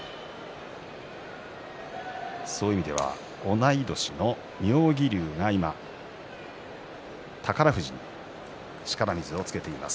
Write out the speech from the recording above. そういう意味では同い年の妙義龍が、今宝富士に力水をつけています